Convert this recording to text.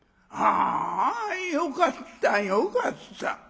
あよかったよかった』」。